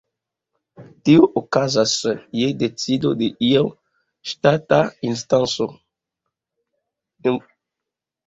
Tio okazas je decido de iu ŝtata instanco.